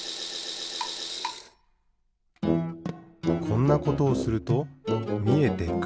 こんなことをするとみえてくる。